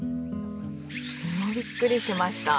もうびっくりしました。